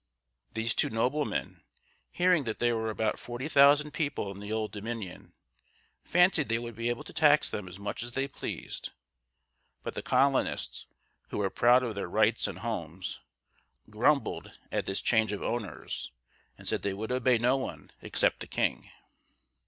These two noblemen, hearing that there were about forty thousand people in the Old Dominion, fancied they would be able to tax them as much as they pleased; but the colonists, who were proud of their rights and homes, grumbled at this change of owners, and said they would obey no one except the king.